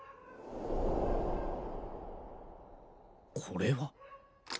これは？